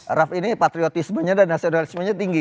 tapi ralf ini patriotismenya dan nasionalismenya tinggi